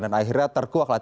dan akhirnya terkuaklah